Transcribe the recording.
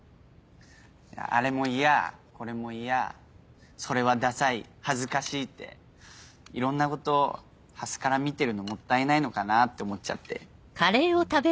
あれも嫌これも嫌それはダサい恥ずかしいっていろんなことはすから見てるのもったいないのかなって思っちゃって。